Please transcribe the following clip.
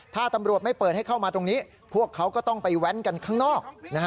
ถ้าตำรวจไม่เปิดให้เข้ามาตรงนี้พวกเขาก็ต้องไปแว้นกันข้างนอก